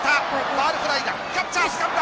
ファウルフライだ。